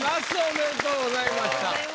おめでとうございます。